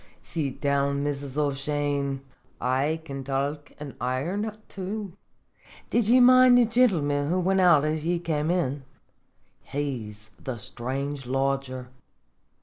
"Sit down, Mrs. O'Shane; I can talk an' iron too. Did ye mind the gintleman who wint out as ye kem in? He's the strange lodger.